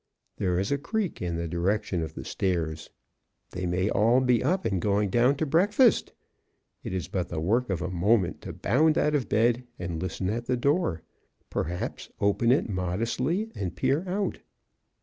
There is a creak in the direction of the stairs. They may all be up and going down to breakfast! It is but the work of a moment, to bound out of bed and listen at the door. Perhaps open it modestly and peer out.